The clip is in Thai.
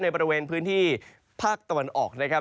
บริเวณพื้นที่ภาคตะวันออกนะครับ